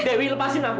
dewi lepasin aku